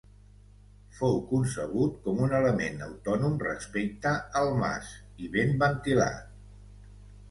Fou concebut com un element autònom respecte al mas i ben ventilat.